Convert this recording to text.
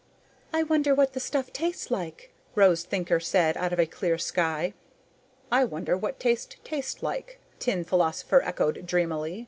"I wonder what the stuff tastes like," Rose Thinker said out of a clear sky. "I wonder what taste tastes like," Tin Philosopher echoed dreamily.